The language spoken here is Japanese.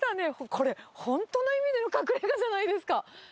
これ、本当の意味での隠れがじゃないですか。